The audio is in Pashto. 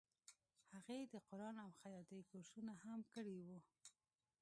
هغې د قرآن او خیاطۍ کورسونه هم کړي وو